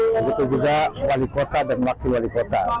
begitu juga wali kota dan wakil wali kota